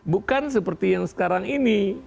bukan seperti yang sekarang ini